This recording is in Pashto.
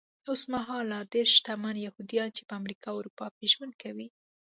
اوسمهال لا ډېر شتمن یهوديان چې په امریکا او اروپا کې ژوند کوي.